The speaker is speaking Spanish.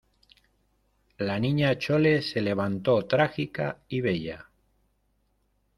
la Niña Chole se levantó trágica y bella: